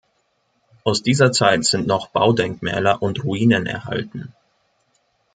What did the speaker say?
Aus dieser Zeit sind noch Baudenkmäler und Ruinen erhalten.